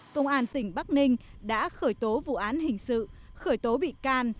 công an tỉnh bắc ninh đã khởi tố vụ án hình sự khởi tố bị can